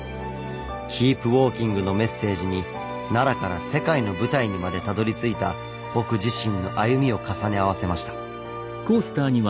「キープウォーキング」のメッセージに奈良から世界の舞台にまでたどりついた僕自身の歩みを重ね合わせました。